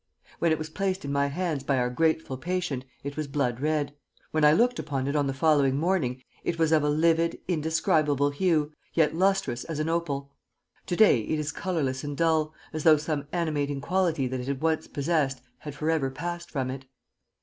When it was placed in my hands by our "grateful patient" it was blood red; when I looked upon it on the following morning it was of a livid, indescribable hue, yet lustrous as an opal. To day it is colorless and dull, as though some animating quality that it had once possessed had forever passed from it.